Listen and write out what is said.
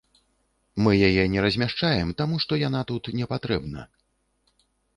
Мы яе не размяшчаем, таму што яна тут не патрэбна.